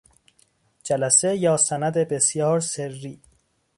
جلسه یا سند بسیار سری